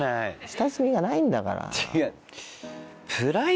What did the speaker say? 下積みがないんだから。